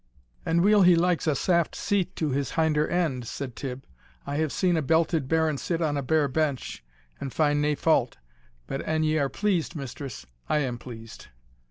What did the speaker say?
"And weel he likes a saft seat to his hinder end," said Tibb; "I have seen a belted baron sit on a bare bench, and find nae fault. But an ye are pleased, mistress, I am pleased."